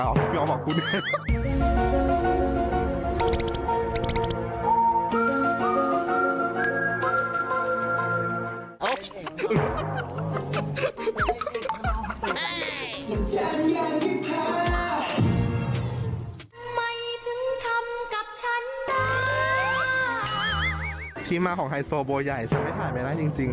อุ๊ยไม่ถึงทำกับฉันนะที่มาของไฮโซบัวใหญ่ฉันไม่ถ่ายไปได้จริงจริง